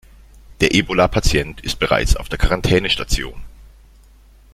Der Ebola-Patient ist bereits auf der Quarantänestation.